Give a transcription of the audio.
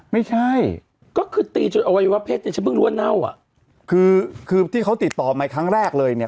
ไม่ใช่ก็คือตีจนอวัยวะเพศเนี่ยฉันเพิ่งรู้ว่าเน่าอ่ะคือคือที่เขาติดต่อมาครั้งแรกเลยเนี่ย